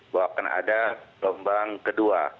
bahwa akan ada gelombang kedua